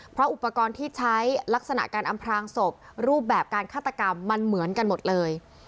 เพราะอุปกรณ์ที่ใช้ลักษณะการอำพลางศพรูปแบบการฆาตกรรมมันเหมือนกันหมดเลย